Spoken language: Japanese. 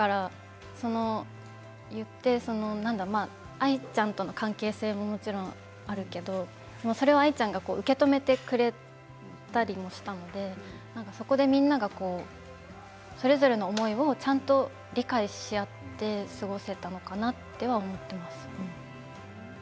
言ってその、なんだろう愛ちゃんとの関係性ももちろん、あるけれどもそれを愛ちゃんが受け止めてくれたりもしたのでそこでみんながそれぞれの思いをちゃんと理解し合って過ごせたのかなと思っています。